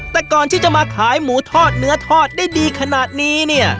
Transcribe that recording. แต่ก่อนที่จะมาขายหมูทอดเนื้อทอดได้ดีขนาดนี้เนี่ย